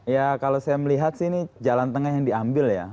ya kalau saya melihat sih ini jalan tengah yang diambil ya